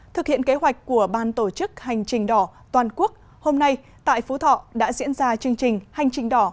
thực hiện kế hoạch của ban tổ chức hành trình đỏ toàn quốc hôm nay tại phú thọ đã diễn ra chương trình hành trình đỏ